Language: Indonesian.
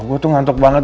gue tuh ngantuk banget